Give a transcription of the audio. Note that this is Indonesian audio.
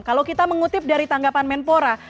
kalau kita mengutip dari tanggapan menpora